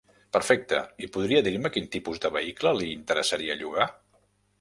Perfecte, i podria dir-me quin tipus de vehicle li interessaria llogar?